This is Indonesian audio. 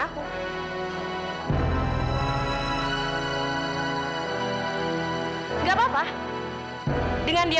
kalau kamu masuk crew seom julia viktim kar iranya